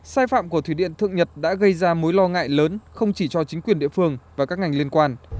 sai phạm của thủy điện thượng nhật đã gây ra mối lo ngại lớn không chỉ cho chính quyền địa phương và các ngành liên quan